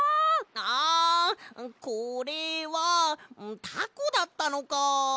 あこれはたこだったのか！